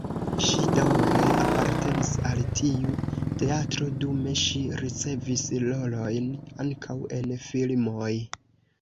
Ŝi daŭre apartenis al tiu teatro, dume ŝi ricevis rolojn ankaŭ en filmoj.